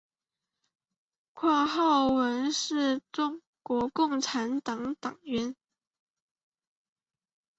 况浩文是中国共产党党员。